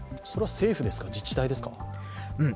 それは政府ですか、自治体ですか？